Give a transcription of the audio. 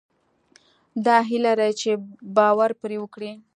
دا هيله لرئ چې باور پرې وکړئ.